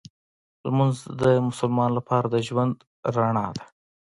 لمونځ د مسلمان لپاره د ژوند رڼا ده